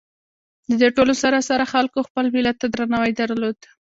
د دې ټولو سره سره خلکو خپل ملت ته درناوي درلود.